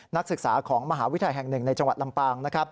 นักศึกษาของมหาวิทยาลัยแห่งหนึ่งในจังหวัดลำปาง